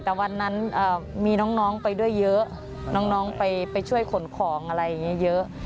แต่วันนั้นมีน้องไปด้วยเยอะน้องไปช่วยขนของอะไรอย่างนี้เยอะ